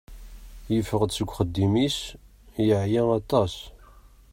Yeffeɣ-d seg yixeddim-is, yeɛya atas.